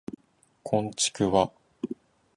こんちくわ